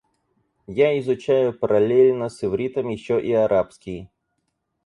Я изучаю параллельно с ивритом ещё и арабский.